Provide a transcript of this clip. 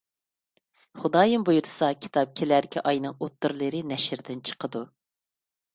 خۇدايىم بۇيرۇسا، كىتاب كېلەركى ئاينىڭ ئوتتۇرىلىرى نەشردىن چىقىدۇ.